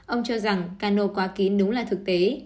ông cho rằng cano quá kỹ đúng là thực tế